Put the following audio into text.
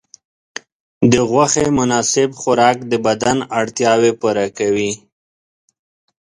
د غوښې مناسب خوراک د بدن اړتیاوې پوره کوي.